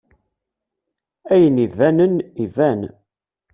Ayen ibanen iban.